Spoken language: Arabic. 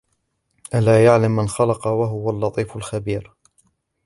ألا يعلم من خلق وهو اللطيف الخبير